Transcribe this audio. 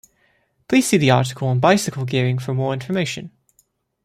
Please see the article on bicycle gearing for more information.